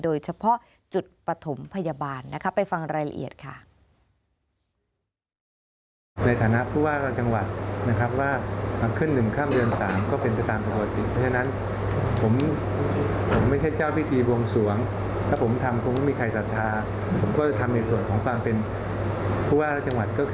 โดยเฉพาะจุดปฐมพยาบาลนะคะไปฟังรายละเอียดค่ะ